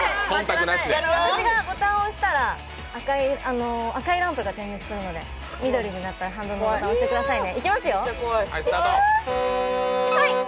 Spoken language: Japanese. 私がボタンを押したら赤いランプが点灯しますので緑になったらハンドルボタンを押してくださいね。